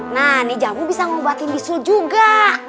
nah nih jamu bisa ngeubatin bisul juga